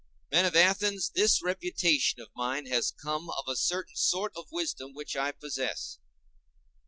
Men of Athens, this reputation of mine has come of a certain sort of wisdom which I possess.